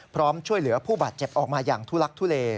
พร้อมช่วยเหลือผู้บาดเจ็บออกมาอย่างทุลักทุเล